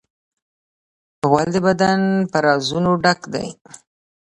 غول د بدن په رازونو ډک دی.